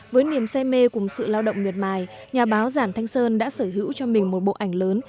với niềm say mê cùng sự lao động miệt mài nhà báo giản thanh sơn đã sở hữu cho mình một bộ ảnh lớn